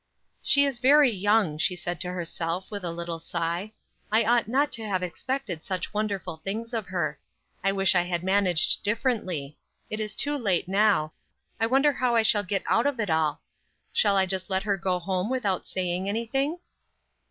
"She is very young," she said to herself, with a little sigh. "I ought not to have expected such wonderful things of her. I wish I had managed differently; it is too late now; I wonder how I shall get out of it all? Shall I just let her go home without saying anything?"